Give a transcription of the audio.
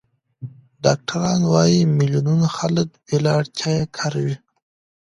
ډاکټران وايي، میلیونونه خلک بې له اړتیا یې کاروي.